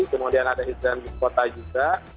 kemudian ada hidran kota juga